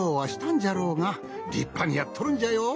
じゃろうがりっぱにやっとるんじゃよ。